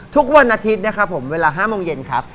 ทุกวันอาทิตย์นะครับผมเวลา๕โมงเย็นครับ